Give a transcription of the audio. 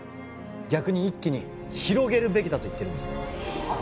逆に一気に広げるべきだと言ってるんですはっ？